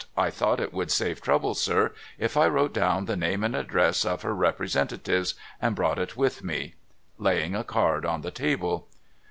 I thought it would save trouble, sir, if I wrote down the name and address of her representatives, and brought it with me.' Laying a card on the table.